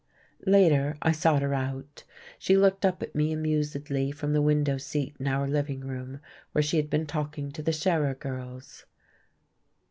Later, I sought her out. She looked up at me amusedly from the window seat in our living room, where she had been talking to the Scherer girls.